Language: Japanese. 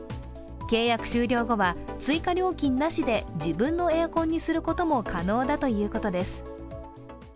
契約終了後は、追加料金なしで自分のエアコンにすることも可能だということです。